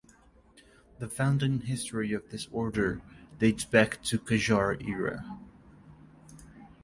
The founding history of this order dates back to Qajar era.